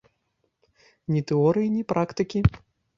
Ні тэорыі, ні практыкі.